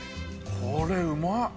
これ、うまっ！